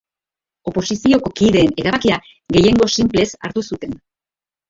Oposizioko kideen erabakia gehiengo sinplez hartu zuten.